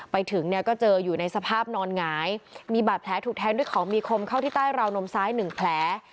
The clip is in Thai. ไปถึงเนี่ยก็เจออยู่ในสภาพนอนหงายมีบาดแผลถูกแทงด้วยของมีคมเข้าที่ใต้ราวนมซ้ายหนึ่งแผล